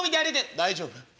「大丈夫？